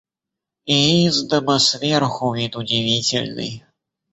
И из дома, сверху, вид удивительный.